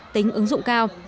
tính ứng dụng cao